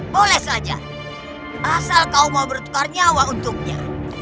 boleh saja asal kau mau bertukar nyawa untuknya